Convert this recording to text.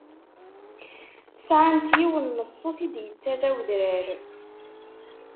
Sɛant yiwen n ṣṣut i d-yettarra udrar.